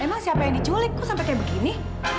emang siapa yang diculik kok sampai seperti ini